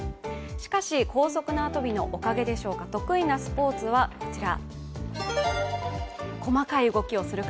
しかし高速縄跳びのおかげでしょうか、得意なスポーツはこちら。